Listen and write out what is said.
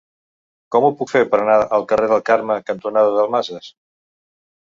Com ho puc fer per anar al carrer Carme cantonada Dalmases?